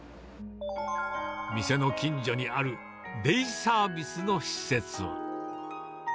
店の近所にある、デイサービスの施設。